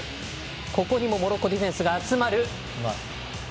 ここにもモロッコディフェンスが集まる。